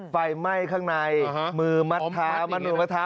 ไฟไหม้ข้างในมือมัดท้ามนุษย์มัดท้า